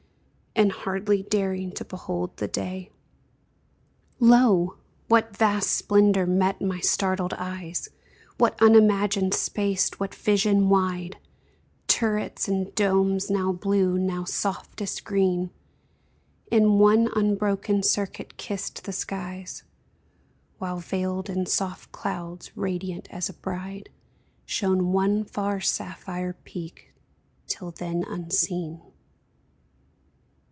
And hardly daring to behold the day. 288 COMPENSATION Lo ! what vast splendor met my startled eyes, What unimagined space, what vision wide ! Turrets and domes, now blue, now softest green. In one unbroken circuit kissed the skies ; While, veiled in soft clouds, radiant as a bride, Shone one far sapphire peak till then unseen